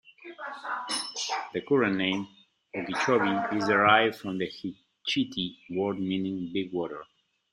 The current name, Okeechobee, is derived from the Hitchiti word meaning "big water".